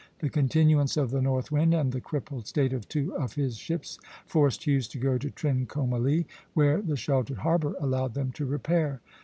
The continuance of the north wind, and the crippled state of two of his ships, forced Hughes to go to Trincomalee, where the sheltered harbor allowed them to repair.